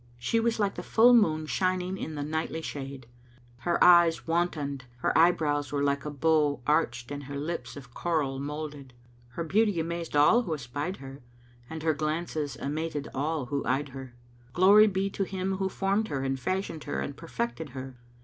She was like the full moon shining in the nightly shade; her eyes wantoned, her eyebrows were like a bow arched and her lips of coral moulded. Her beauty amazed all who espied her and her glances amated all who eyed her. Glory be to Him who formed her and fashioned her and perfected her!